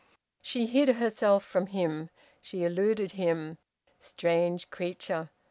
She hid herself from him. She eluded him... Strange creature!